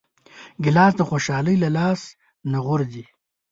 ګیلاس د خوشحالۍ له لاسه نه غورځي.